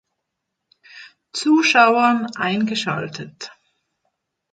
Zuschauern eingeschaltet.